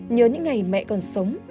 nhớ những ngày mẹ còn sống